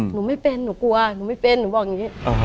หนูไม่เป็นหนูกลัวหนูไม่เป็นหนูบอกอย่างนี้